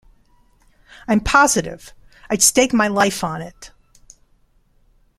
'I'm positive, I'd stake my life on it.